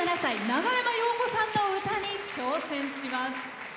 長山洋子さんの歌に挑戦します。